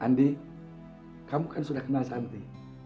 andi kamu kan sudah kenal sandi